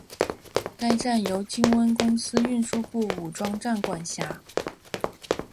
该站由金温公司运输部武义站管辖。